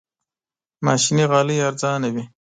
ماشيني غالۍ ارزانه وي.